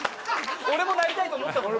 俺もなりたいと思ったもん。